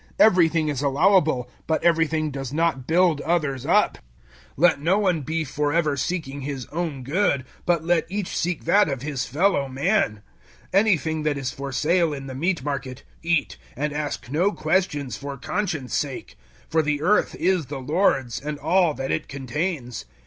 Everything is allowable, but everything does not build others up. 010:024 Let no one be for ever seeking his own good, but let each seek that of his fellow man. 010:025 Anything that is for sale in the meat market, eat, and ask no questions for conscience' sake; 010:026 for the earth is the Lord's, and all that it contains.